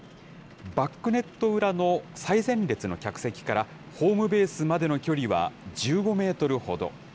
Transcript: バックネット裏の最前列の客席から、ホームベースまでの距離は１５メートルほど。